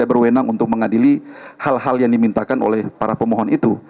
dan kami berwenang untuk mengadili hal hal yang dimintakan oleh para pemohon itu